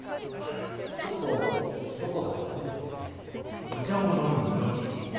ちょっと外が寒くてね。